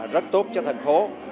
rất tốt cho thành phố